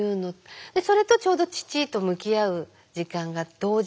それとちょうど父と向き合う時間が同時になって。